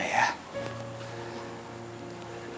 dari janah udam